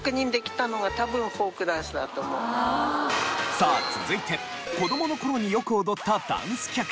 さあ続いて子どもの頃によく踊ったダンス曲。